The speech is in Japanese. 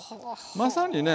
まさにね